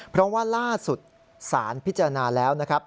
เพราะว่าล่าสุดสารพิจารณาแล้วนะครับ